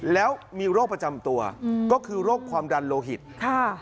แล้วมีโรคประจำตัวอืมก็คือโรคความดันโลหิตค่ะ